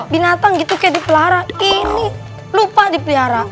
binatang gitu kayak di pelihara ini lupa di pelihara